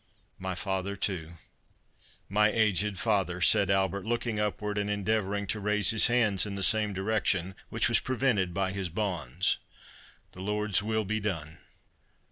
"My father, too—my aged father!" said Albert, looking upward, and endeavouring to raise his hands in the same direction, which was prevented by his bonds. "The Lord's will be done!"